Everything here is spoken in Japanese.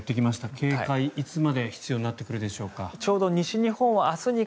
警戒、いつまで必要になってくるでしょうか。